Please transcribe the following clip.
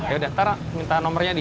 ya udah ntar minta nomernya di